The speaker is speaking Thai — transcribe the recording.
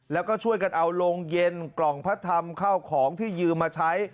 แล้วก็ช่วยกันเอาโรงเย็นกล่องพระธรรมข้าวของที่ยืมมาใช้